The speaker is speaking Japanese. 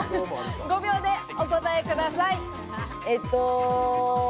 ５秒でお答えください。